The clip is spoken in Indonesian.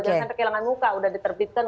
jangan jangan perkelaman muka sudah diterbitkan